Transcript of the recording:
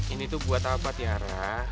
ini tuh buat apa tiara